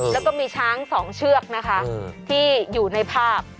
แล้วก็มีช้าง๒เชือกนะคะที่อยู่ในภาพ